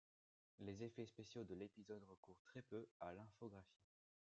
Les effets spéciaux de l'épisode recourent très peu à l'infographie.